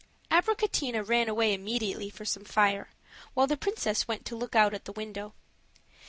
Abricotina ran away immediately for some fire, while the princess went to look out at the window.